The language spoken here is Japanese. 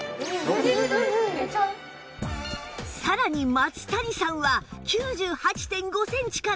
さらに松谷さんは ９８．５ センチからなんと